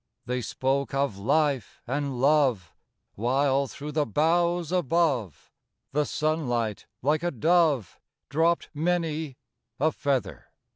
They spoke of life and love, While, through the boughs above, The sunlight, like a dove, Dropped many a feather.